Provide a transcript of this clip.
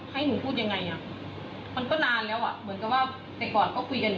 ให้หนูพูดอย่างไรมันก็นานแล้วเหมือนกันว่าเมื่อก่อนก็คุยกัน